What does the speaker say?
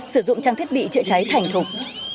sử dụng trang thiết bị chữa cháy thành thục